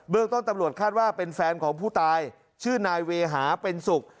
เรื่องต้นตำรวจคาดว่าเป็นแฟนของผู้ตายชื่อนายเวหาเป็นสุข